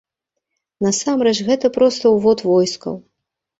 Насамрэч, гэта проста ўвод войскаў.